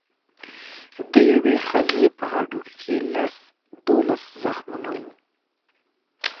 د یوې ښځې په هډوکو کې لس دولس زخمونه وو.